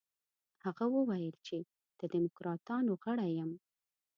هغه وویل چې د دموکراتانو غړی یم.